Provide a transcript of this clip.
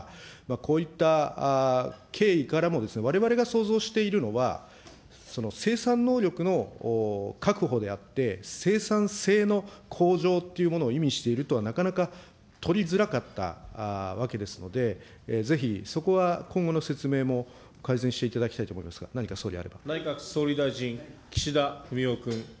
こういった経緯からも、われわれが想像しているのは、生産能力の確保であって、生産性の向上っていうものを意味しているとはなかなか取りづらかったわけですので、ぜひそこは今後の説明も改善していただきたいと思いますが、何か内閣総理大臣、岸田文雄君。